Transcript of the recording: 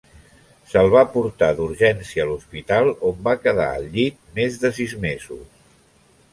Se'l va portar d'urgència a l'hospital on va quedar al llit més de sis mesos.